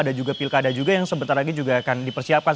ada juga pilkada juga yang sebentar lagi juga akan dipersiapkan